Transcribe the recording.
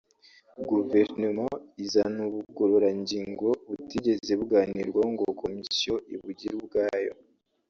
guverinoma izana ubugororangingo butigeze buganirwaho ngo komisiyo ibugire ubwayo